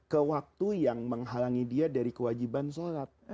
ke waktu yang menghalangi dia dari kewajiban sholat